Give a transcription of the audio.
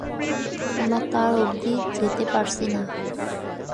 আমরা তার অব্ধি যেতে পারছি না।